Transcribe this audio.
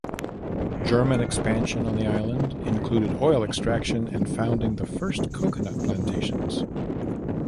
German expansion on the island included oil extraction and founding the first coconut plantations.